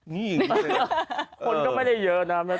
นี่คนก็ไม่ได้เยอะนะ